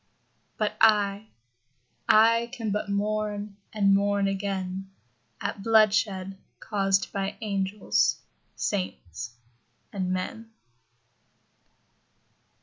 ..... But I, I can but mourn, and mourn again At bloodshed caused by angels, saints, and men.